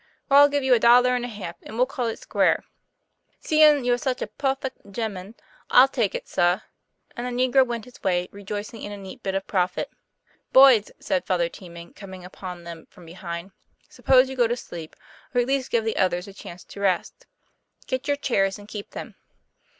"Well, I'll give you a dollar and a half; and we'll call it square." " Seein' you're such a puffick gemmen, 1*11 take it, sah." And the negro went his way rejoicing in a neat bit of profit. "Boys, "said Father Teeman coming upon them from behind, " suppose you go to sleep, or at least give the others a chance to rest. Get your chairs, and keep them."